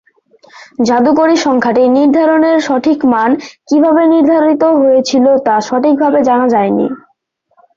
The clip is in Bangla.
জাদুকরী সংখ্যাটি নির্ধারণের সঠিক মান কীভাবে নির্ধারিত হয়েছিল তা সঠিকভাবে জানা যায়নি।